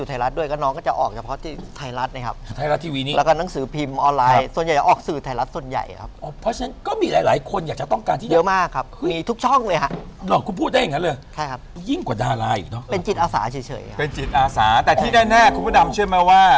เป็นจิตอาสาแต่ที่ได้แน่ครับคุณพระดำเชื่อไหมว่า